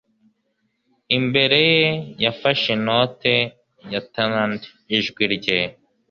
imbere ye yafashe inoti ya tenrand. ijwi rye